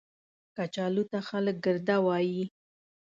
کچالو ته خلک ګرده وايي